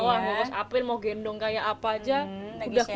apakah dia mau gendong seperti apa saja